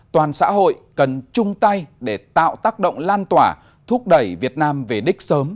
toàn xã hội cần chung tay để tạo tác động lan tỏa thúc đẩy việt nam về đích sớm